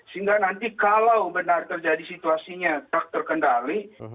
sehingga nanti kalau benar terjadi situasinya tak terkendali